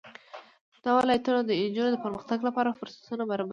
دا ولایتونه د نجونو د پرمختګ لپاره فرصتونه برابروي.